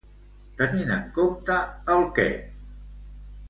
Tenint en compte el què?